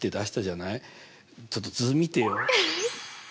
ちょっと図見てよ。